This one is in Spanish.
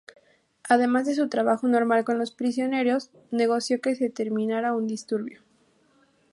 Además de su trabajo normal con los prisioneros, negoció que se terminara un disturbio.